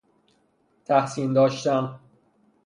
تحسین داشتن